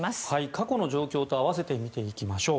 過去の状況と合わせて見ていきましょう。